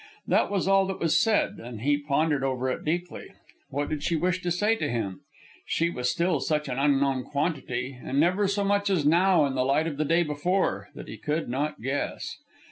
That was all that was said, and he pondered over it deeply. What did she wish to say to him? She was still such an unknown quantity, and never so much as now in the light of the day before, that he could not guess.